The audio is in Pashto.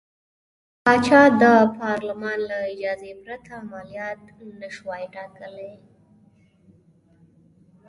پاچا د پارلمان له اجازې پرته مالیات نه شوای ټاکلی.